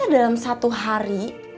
masa dalam satu hari